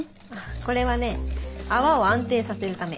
これはね泡を安定させるため。